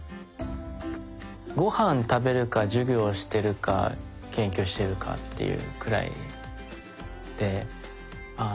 ご飯食べるか授業してるか研究しているかっていうくらいで。